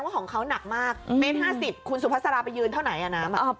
ผมว่าของเขานักมากเมตร๕๐คุณสุพัสราไปยืนเท่าไหนอ่ะน้ำ